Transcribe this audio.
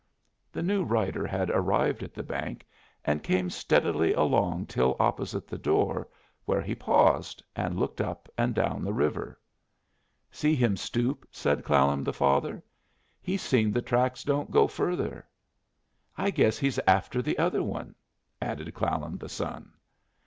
The new rider had arrived at the bank and came steadily along till opposite the door, where he paused and looked up and down the river. "See him stoop," said Clallam the father. "He's seen the tracks don't go further." "I guess he's after the other one," added Clallam the son.